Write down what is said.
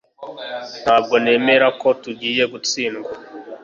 Ntabwo nemera ko tugiye gutsindwa